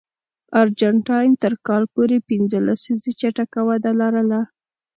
ارجنټاین تر کال پورې پنځه لسیزې چټکه وده لرله.